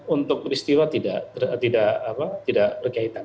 untuk peristiwa tidak berkaitan